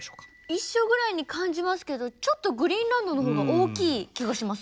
一緒ぐらいに感じますけどちょっとグリーンランドのほうが大きい気がします。